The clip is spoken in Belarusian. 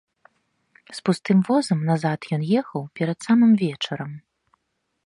З пустым возам назад ён ехаў перад самым вечарам.